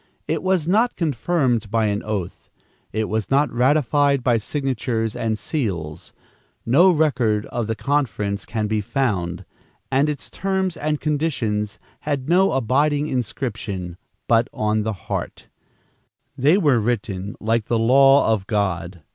It was not confirmed by an oath; it was not ratified by signatures and seals; no record of the conference can be found, and its terms and conditions had no abiding inscription but on the heart. There they were written like the law of God.